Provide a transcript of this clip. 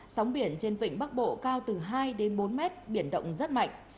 sóng biển trên vịnh bắc bộ cao từ hai đến bốn mét biển động rất mạnh